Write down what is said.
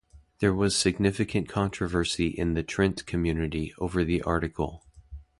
There was significant controversy in the Trent community over the article.